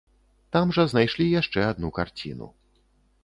Там жа знайшлі яшчэ адну карціну.